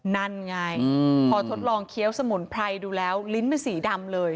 นั่นไงพอทดลองเคี้ยวสมุนไพรดูแล้วลิ้นเป็นสีดำเลย